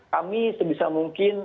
kami sebisa mungkin